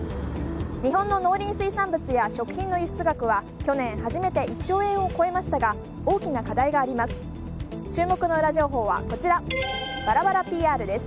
日本の農林水産物や食品の輸出額は去年初めて１兆円を超えましたが大きな課題があります。